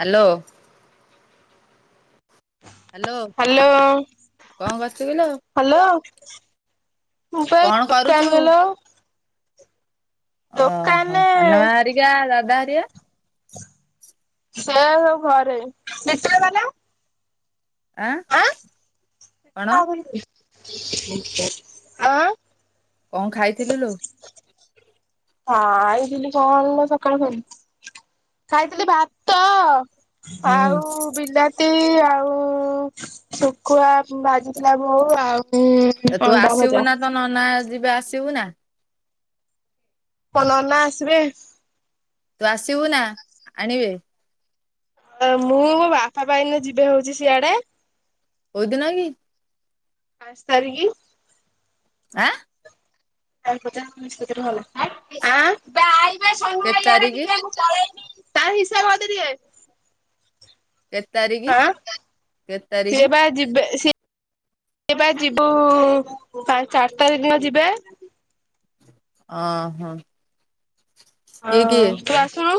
Hello. Hello hello, କଣ କରୁଛୁ କିଲୋ ହ୍ୟାଲୋ। ମୁଁ ପାଇ କଣ କରୁଛୁ? ଟାଇମ ନେଲ ଓହୋ ଦୋକାନରେ ସାନ ମା ହେରିକା ଆ ଦାଦା ହେରୀଆ? ସେ ସବୁ ଘରେ। ଆଁ କଣ ଆଁ [inaudible] ଆଁ। କଁ ଖାଇଥିଲୁ ଲୋ? ଖାଇଥିଲି କଣ ଲୋ ସକାଳୁ ଖ ଖାଇଥିଲି ଭାତ। ହୁଁ ଆଉ ବିଲାତି ଆଉ ଶୁଖୁଆ ଭାଜିଥିଲା ବୋଉ ଆଉ ତୁ ଅଣ୍ଡା ଆସିବୁ ଭଜା। ନା ତୋ ନନା ଯିବେ ଆସିବୁ ନା? କଣ ନନା ଆସିବେ? ତୁ ଆସିବୁ ନା ଆଣିବେ। ମୁଁ ମୋ ବାପା ପା ଏଇନୁ ଯିବେ ହଉଛି ସିଆଡେ। କଉଦିନ କି? ପାଞ୍ଚ ତାରିଖ। ଆଁ। [unintelligible] ଆଁ। ତାର କେତେ ତାରିଖ ହିସାବ ମୋତେ ଦିଏ। କେତେ ତାରିଖ। ଆଁ କେତେ ତାରିଖ? ସିଏ ବା ଯିବେ ସି ସିଏପା ଯିବୁ ପାଞ୍ଚ ଚାର ତାରିଖ ଦିନ ଯିବେ। ଅ ହଁ। ତୁ ଆସୁନୁ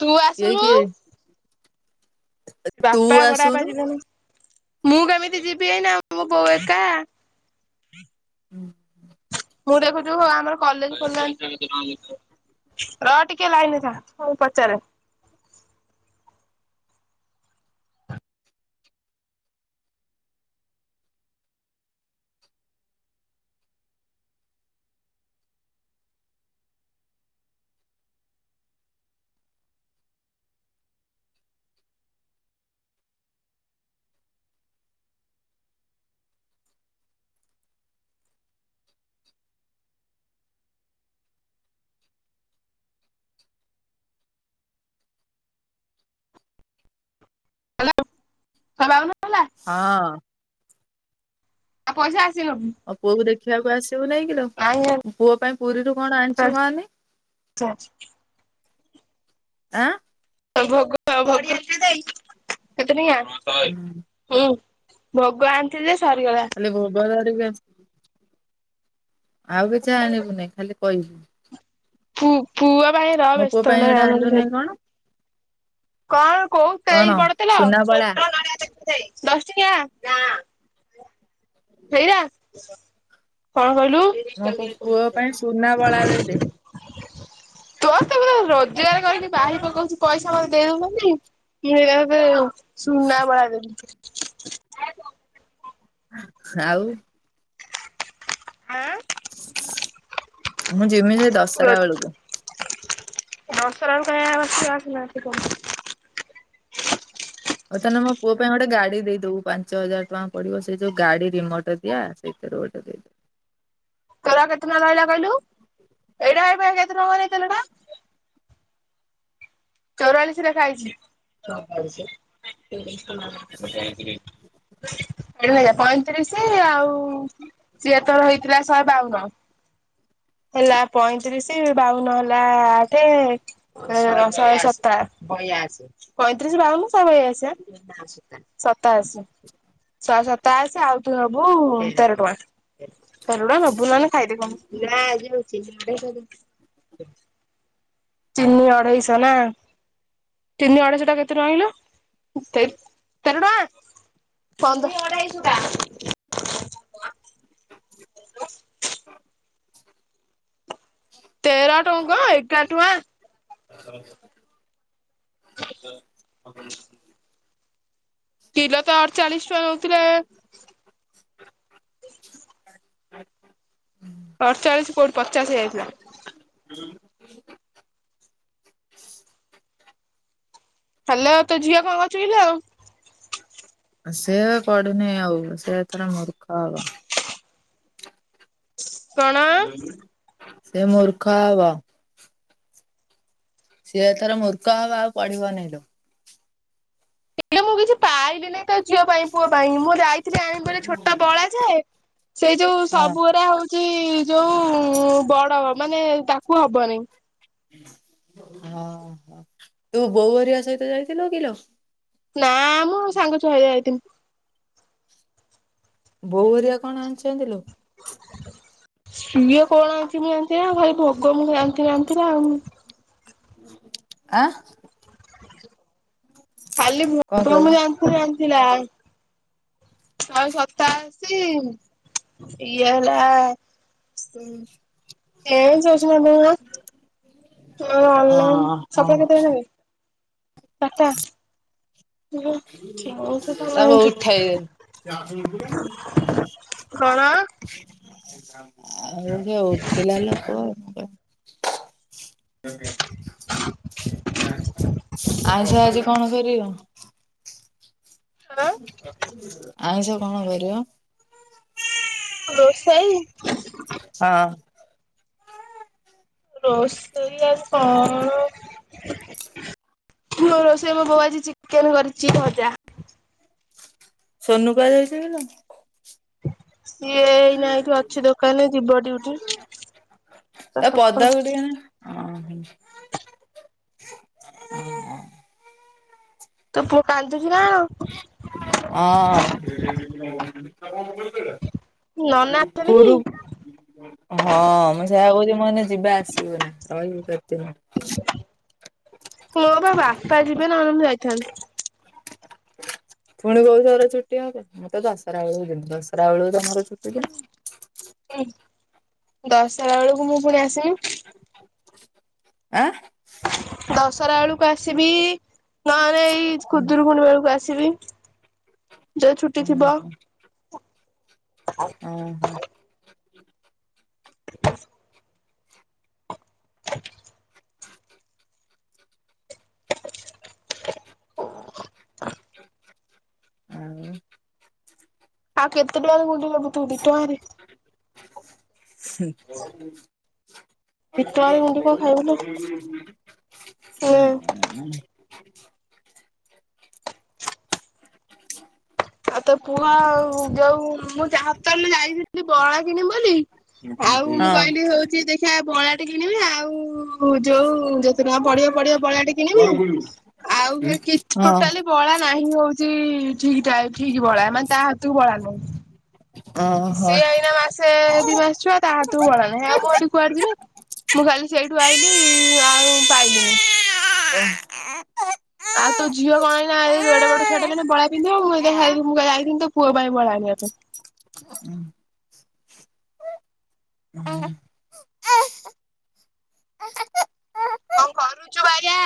ତୁ କିଏ ଆସୁନୁ। କିଏ ତୁ ବାପା ବଡବାପା ଆସୁନୁ ଯିବେ ନା ମୁଁ କେମିତି ଯିବି ଏଇନା ମୋ ବୋଉ ଏକା। ହୁଁ। ମୁଁ ଦେଖୁଛୁ ଆମର କଲେଜ ଖୋଲିଲା ରହ ଟିକେ ଲାଇନ ରେ ଥା ପଚାରେ। ହେଲା ଆଉ ତାହାଲେ ଆଉନ। ହଁ। ଆଉ ପଇସା ଆସିଲେ ନବୁ। ଆଉ ପୁଅ କୁ ଦେଖିବାକୁ ଆସିବୁନା କିଲୋ ନାଇଁ ମୋ ପୁଅ ପାଇଁ ପୁରୀରୁ କଣ ଆଣିଛୁ କହନି? [inaudible] ଆଁ। ଭୋଗ [inaudible] କେତେ ଟଙ୍କିଆ ହୁଁ। ଭୋଗ ଆଣିଥିଲି ଯେ ସରିଗଲା। ଖାଲି ଭୋଗ ଧରିକି ଆସିବୁ ଆଉ କିଛି ଆଣିବୁନି ଖାଲି କହିବୁ। ପୁ ପୁଅ ପାଇଁ ର ମୋ ପୁଅ ବ୍ୟସ୍ତ ପାଇଁ ହେଲେ ଏଇଟା ଜାହାଲେ ଆଣିଲୁନି ନେବି କଣ କଣ କୋଉ କଣ ଏଇ ବଡ ତେଲ ସୁନା ବଳା ଦଶ ଟଙ୍କିଆ ଟେ। ସେଇରା କଣ କହିଲୁ। ମୋ ପୁଅ ପାଇଁ ସୁନା ବଳା ଟେ ଦେ। ତୋର ତ ପେ ରୋଜଗାର କରିକି ବାହି ପକଉଛି ପଇସା ମତେ ଦେଇଦବୁନି କି। [inaudible] ସୁନା ବଳା ଦେବି। ଆଉ। ଆଁ। ମୁଁ ଯମି ସେଇ ଦଶହରା ବେଳକୁ। ଦଶହରା କାହିଁ ଆଉ ଆସିବୁ ଆସିନା ହଉ ତାହେଲେ ମୋ ପୁଅ ପାଇଁ ଗୋଟେ ଗାଡି ଦେଇଦବୁ ପାଞ୍ଚ ହଜାର ଟଙ୍କା ପଡିବ ସେ ଯୋଉ ଗାଡି ରିମୋଟ ଦିଆ ସେ। [inaudible] ତୋର ଆଉ କେତେ ତାଙ୍କ ରହିଲା କହିଲୁ ଏଇଟା ଏ କେତେ ଟଙ୍କା ତେଲଟା। ଚଉରାଳିସି ଲେଖା ହେଇଚି। [unintelligible] ପଇଁତିରିଶ ଆଉ ସିଏ ତୋର ହେଇଥିଲା ଶହେ ବାଉନ। ହେଲା ପଇଁତିରିଶ ବାଉନ ହେଲା ଆଠେ ଶହେ ସତା- ପଇଁତିରିଶ, ବାଉନ, ଶହେ ବୟାଅଶି ଆଁ। ସତାଅଶୀ, ଶହେ ସତାଅଶୀ ଆଉ ତୁ ନବୁ ତେର ଟଙ୍କା। ତେର ନବୁ ନହେଲେ ଖାଇଦେ କଣ। ଚିନି ଅଢେଇ ଶହ ନା? ଚିନି ଅଢ଼େଇ ଶହ ଟା କେତେ ଟଙ୍କା କହିଲ, ତେର ଟଙ୍କା? ପନ୍ଦର ତେର ଟଙ୍କା- ଏଗାର ଟଙ୍କା [inaudible] କିଲୋ ତ ଅଠଚାଳିଶ ଟଙ୍କା ନଉଥିଲେ ହୁଁ। ଅଠଚାଳିଶ କୋଉଠି ପଚାଶ ହେଇଯାଇଥିଲା। [inaudible] ହ୍ୟାଲୋ ତୋ ଝିଅ କଣଛି କିଲୋ? ସେ ପଢୁନି ଆଉ ସେ ଏଥର ମୂର୍ଖ ହବ। [inaudible] କଣ? ସେ ମୁର୍ଖ ହବ। ସିଏ ଏଥର ମୂର୍ଖ ହବ ଆଉ ପଢ଼ିବ ନେଇଁ ଲୋ। [unintelligible] ମୁଁ କିଛି ପାଇଲିନି ତୋ ଝିଅ ପାଇଁ ପୁଅ ପାଇଁ ମୁଁ ଯାଇ [unintelligible] ଆଣିବି ବୋଲି ଛୋଟ ବଳା ଯେ, ସେ ଯୋଉ ହଁ ସବୁଅରା ହଉ ଚି ଯୋଉ ବଡ଼ ମାନେ ତାକୁ ହବନି। ଅଃ ତୁ ବୋଉ ହେରିଆ ସହିତ ଯାଇଥିଲୁ କିଲୋ? ନା ମୁଁ ସାଙ୍ଗ ଛୁଆ ହେରିକା ଯାଇଥିଲୁ। ବୋଉ ହେରିଆ କଣ ଆଣିଛନ୍ତି ଲୋ? ସିଏ କଣ ଆଣିଛି ମୁଁ ଜାଣିଛି ନା ଖାଲି ଭୋଗ ମୁଁ ଆଣିଥିଲି ଆଣିଥିଲା ଆଉ। ଆଁ? ଖାଲି କଣ ଭୋଗ କହିଲୁ ମୁଁ ଜାଣିଥିଲି ଆଣିଥିଲା। ଶହେ ସତାଅଶୀ, ଇଏ ହେଲା। ଓହୋ [unintelligible] [unintelligible] [unintelligible] ଚାରିଟା ତାକୁ ଉଠେଇଦେ। କଣ? ଆଉ ସେ ଉଠିଲା ଲୋକ। [inaudible] ଆଇଁଷ ଆଜି କଣ କରିବ? ଆଁ ଆଇଁଷ କଣ କରିବ? ରୋଷେଇ? ହଁ। ରୋଷେଇ ଆଜି କଅଣ ମୁଁ ରୋଷେଇ ମୋ ବୋଉ ଆଜି ଚିକେନ କରିଛି ଭଜା। ସୋନୁ କୁଆଡ଼େ ଯାଇଛି କିଲୋ? ସିଏ ଏଇନା ଏଇଠି ଅଛି ଦୋକାନ ରେ ଯିବ ଡିଉଟି। [unintelligible] ଓହୋଃ। ଅଃ। ତୋ ପୁଅ କାନ୍ଦୁଛି ନା-ଣ ଅଁ। ନନା ଆସିଛନ୍ତି କି? କୁରୁ ହଁ, ମୁଁ ସେୟା କହୁଛି ମୁଁ [unintelligible] ଯିବ ଆସିବ ନା ରହିବ। [unintelligible] ହଉ ବାବା [unintelligible] ଯିବେ ନହେଲେ ମୁଁ ଯାଇଥାନ୍ତି। ପୁଣି କଉଥର ଛୁଟି ହବ ମୁଁ ତ ଦଶରାଳୁ ଯିବି ଦଶରା ବେଳକୁ ମୋର ଛୁଟି ହୁଁ ଦଶରା ବେଳକୁ ମୁଁ ପୁଣି ଆସିବି। ଆଁ? ଦଶରା ବେଳକୁ ଆସିବି ନହେଲେ ଏଇ ଖୁଦୁରୁକୁୁଣି ବେଳକୁ ଆସିବି। ଯଉ ଛୁଟି ଥିବ। ଉହୁଁ [inaudible] [inaudible] ଆଉ ଆଉ କେତେ ଟଙ୍କାରେ ଗୁଣ୍ଡି ନବୁ ତୁ ଦି ଟଙ୍କାରେ? [inaudible] ଦି ଟଙ୍କାରେ ଗୁଣ୍ଡି କଣ ହୁଁ ଖାଇବୁ ଲୋ। ହୁଁ ହୁଁ। ଆଉ ତୋ ପୁଅ ଆଉ ଯୋଉ ମୁଁ ଯାହାପା ଯାଇଥିଲି ବଳା କିଣିବି ବୋଲି ଆଉ ମୁଁ କହିଲି ହଉଛି ଦେଖିିବା ବଳା ଟେ କିଣିବି ଆଉ ହ ଯୋଉ ଯେତେ ଟଙ୍କା ପଡିବ ପଡିବ ବଳା ଟେ କିଣିବି ଆଉ ହେ କିଛି ଟୋଟାଲି ବଳା ନାହିଁ ହଉଛି ଠିକ ଟାଇ ଠିକ୍ ବଳା ମାନେ ତା ହାତକୁ ବଳା ନାହିଁ ହଁ ସିଏ ଓହୋ। ଏଇନା ମାସେ ଦି ମାସ ଛୁଆ ତା ହାତକୁ ବଳା ନାହି ଆଉ ମୁଁ ଏଠି କୁଆଡେ ଯିବି? ମୁଁ ଖାଲି ସେଇଠୁ ଆଇଲିି ଆଉ ପାଇଲିିନି ଆଉ ତୋ ଝିଅ କଣ ଏଇନା ଏଡେ ବଡ ଛୁଆଟେ ହେଲାଣି ବଳା ପିନ୍ଧିବାକୁ ମୁଁ [unintelligible] ମୁଁ ଯାଇଥାନ୍ତି ତୋ ପୁଅ ପାଇଁ ବଳା ଆଣିବା ପାଇଁ। [inaudible] କଣ କରୁଛୁ ବାୟା?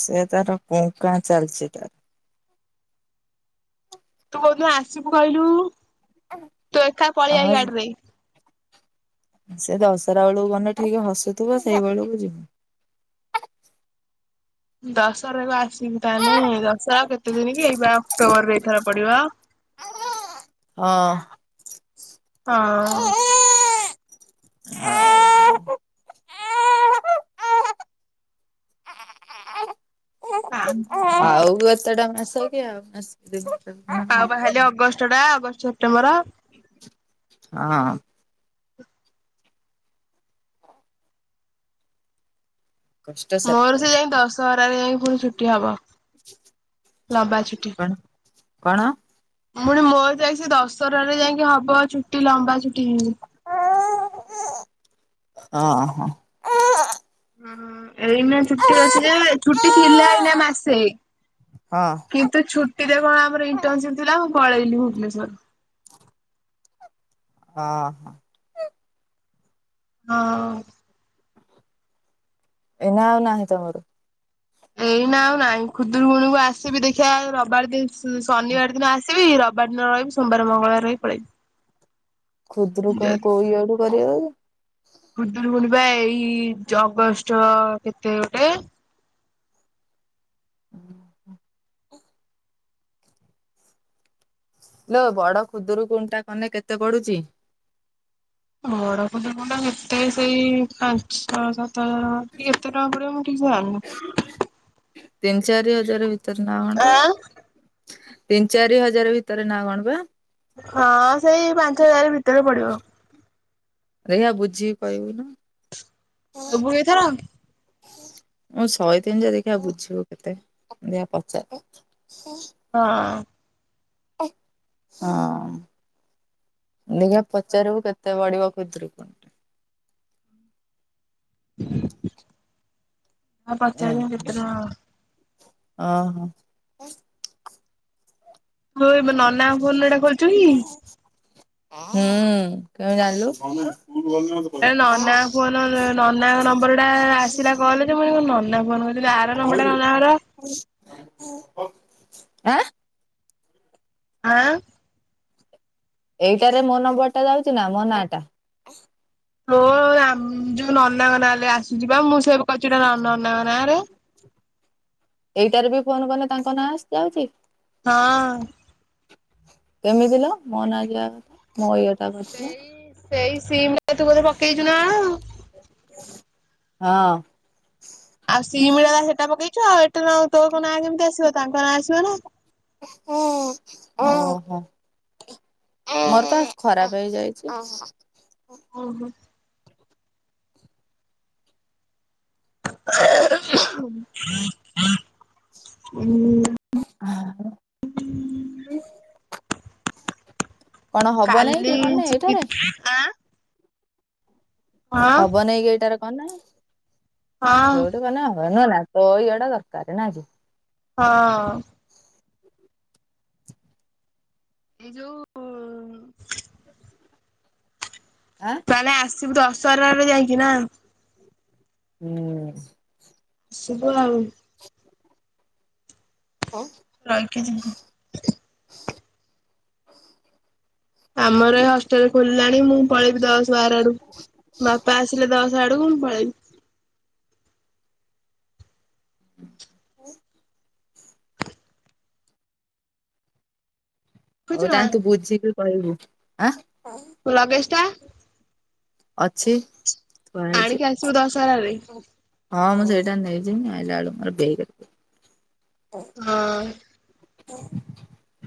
ସେ ତାର କୁଁ କାଁ ଚାଲିଛି ତାର। ତୁ କୋଉ ଦିନ ଆସିବୁ କହିଲୁ? ତୁ ଏକା ପଳେଇ ଆ ଆମେ ଏଇ ଗାଡିରେ। ସେ ଦଶହରା ବେଳକୁ ଗଣ୍ଡେ ଟିକେ ହସୁଥିବ ସେଇ ବେଳକୁ ଯିବ। ଦଶହରାକୁ ଆସିବୁ ତାନେ ଦଶରା କେତେ ଦିନ କି ଏଇ ପା ଅକ୍ଟୋବର ଏଇଥର ପଡିବ। ହଁ ହଁ [inaudible] [unintelligible] ଆଉ କେତେଟା ମାସ କି ଆଉ ମାସେ ଦି ମାସ ଆଉ ପା ଖାଲି ଅଗଷ୍ଟ ଟା ଅଗଷ୍ଟ, ସେପ୍ଟେମ୍ବର। ହଁ କଷ୍ଟ ମୋର ସେତେ ସେ ଯାଇଁ ଦଶହରାରେ ଯାଇକି ପୁଣି ଛୁଟି ହବ। ଲମ୍ବା ଛୁଟି କଣ କଣ? ପୁଣି ମୋର ଯାଇ ସେ ଦଶହରାରେ ଯାଇକି ହବ ଛୁଟି ଲମ୍ବା ଛୁଟି। ଅ ହଁ ହୁଁଉ ଏଇନେ ଛୁ ହଁ ଟି ଅଛି ଯେ ଛୁଟି ଥିଲା ଏଇନା ମାସେ। କିନ୍ତୁ ଛୁ ଟିକେ କଣ ଆମର ଇଣ୍ଟର୍ନସିପ ଥିଲା ମୁଁ ପଳେଇଲିି ଭୁବନେଶ୍ଵର। ହଁ ହ ହଁ ଏଇନା ଆଉ ନାହିଁ ତମର? ଏଇନା ଆଉ ନାଇଁ ଖୁଦୁରୁକୁୁଣୀକୁ ଆସିବି ଦେଖିବା ରବିବାର ଦିନ ଶନିବାର ଦିନ ଆସିବି ରବ ବାର ଦିନ ରହିବି ସୋମବାର, ମଙ୍ଗଳବାର ରହି ପଳେଇବି। ଖୁଦୁରୁକୁୁଣି କୋଉ ଇଆଡୁ କରିବକି? ଖୁଦୁରୁକୁଣୀ ପା ଏଇ ଅଗଷ୍ଟ କେତେରେ ଗୋଟେ। ଉ ହୁଁ ଇଲୋ ବଡ ଖୁଦୁରୁକୁଣୀ କନେ କେତେ ପଡୁଛି? ବଡ ଖୁଦୁରୁକୁଣୀ ଟା କେତେ ସେଇ ପାଞ୍ଚ ଛଅ ଶହ ତ କେତେ ଟଙ୍କା ପଡିବ ମୁଁ ଠିକ ସେ ଜାଣିନି। ତିନି ଚାରି ହଜାର ଭିତରେ ନା କଣ ଆ ପା? ତିନି ଚାରି ହଜାର ଭିତରେ ନା କଣ ପା? ହଁ ସେଇ ପାଞ୍ଚ ହଜାର ଭିତରେ ପଡିବ। ଦେଖିଆ ବୁଝିକି କହିବୁ ନା। ଦେବୁ କି ଏଇଥର? ମୁଁ ଶହେ ତିନି ଯା ଦେଖିବା ବୁଝିବୁ କେତେ ଦେଖିଆ ପଚାରେ। ହଁ। ହଁ। ଦେଖିଆ ପଚାରିବୁ କେତେ ପଡିବ ଖୁଦୁରୁକୁଣୀ। ପଚାରିବି କେତେ ହଁ ଟଙ୍କା ଅ ହଁ। ବୋଉ ଏ ନନା ଙ୍କ ଫୋନ ରେ ଏଇଟା କରିଛୁ କି? ହଁ କେମିତି ଜାଣିଲୁ? ଏ ନନା ଫୋନ ନନାଙ୍କ ନମ୍ବର ଟା ଆସିଲା କଲ ଯେ ମୁଁ କଣ ନନା ଫୋନ କରିି ଆଁ ଆଁ ଏଇଟାରେ ମୋ ନମ୍ବର ଟା ଯାଉଚି ନା ମୋ ନାଁ ଟା? ହଁ ଆମ ଯୋଉଁ ନନାଙ୍କ ନାଁ ରେ ଆସୁଛି ବା ମୁଁ ସେଭେ କରିଛି ନନାଙ୍କ ନାଁ ରେ। ଏଇଟାରେ ବି ଫୋନ କଲେ ତାଙ୍କ ନାଁ ଆସି ଯାଉଚି? ହଁ। କେମିତି ଲୋ ମୋ ନାଁ ଯିବା କଥା ମୋ ଇଏଟା କରିଥିଲ ସେଇ ସେଇ ସିମ ଟା ତୁ ବୋଧେ ପକେଇଚୁ ନା କଣ। ହଁ ଆଉ ସିମ ଟା ସେଟା ପକେଇଛୁ ଆଉ ଏଠେ ନା ତୋ ନାଁ କେମିତି ଆସିବ ତାଙ୍କ ନାଁ ଆସିବ ନା। ଓହୋ। ମୋର ତ ଖରାପ ହେଇ ଯାଇଛି। ଉଁ ହୁଁ। ହୁଁ ଆଉ କଣ ହବ ନାଇଁ କାଲି କି କନେ ଯିବି ଏଇଟାରେ ଆଁ ହଁ ହବ ନେଇ କି ଏଇଟାର କନେ ହଁ ଯୋଉଠି କନେ ହବ ନୁହେଁ ନା? ତୋ ଇଏଟା ଦରକାର ନା କି। ହଁ ଏଇ ଯୋଉଁ ଆଁ ତାହେଲେ ଆସିବୁ ଦଶରା ରେ ଯାଇକି ନା? ହୁଁ ଆସିବୁ ଆଉ। ଆଉ ରହିକି ଯିବୁ। ଆମର [unintelligible] ଖୋଲିଲାଣି ମୁଁ ପଳେଇବି ଦଶ ବାର ଆଡକୁ ବାପା ଆସିଲେ ଦଶ ଆଡକୁ ମୁଁ ପଳେଇବି। ହ ବୁଝୁଛୁ ହଉ ନା ତାହାଲେ ତୁ ବୁଝିକି କହିବୁ ଆଁ? ତୋ ଲଗେଜ ଟା? ଅଛି ଥୁଆ ହେଇଚି। ଆଣିକି ଆସିବୁ ଦଶହରାରେ ହଁ ମୁଁ ସେଇଟା ନେଇଯିନି ଆଇଲା ବେଳୁ ମୋର ବେକେ ରେ ପୁରେଇ ହଁ। ହୁଁ।